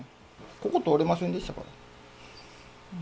ここ通れませんでしたから。